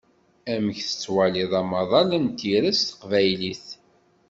Amek tettwaliḍ amaḍal n tira s teqbaylit?